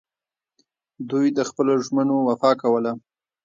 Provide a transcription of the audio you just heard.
دوی د خپلو ژمنو وفا کوله